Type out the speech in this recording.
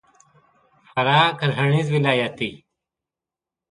فراه کرهنیز ولایت دی.